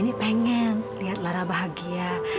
lara nini pengen lihat lara bahagia